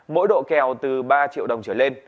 mỗi độ kèo từ ba triệu đồng trở lên